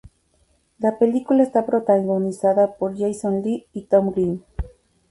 La película está protagonizada por Jason Lee y Tom Green.